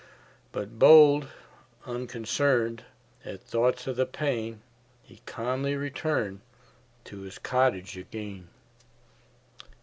But bold, unconcern'd At thoughts of the pain, He calmly return'd To his cottage again.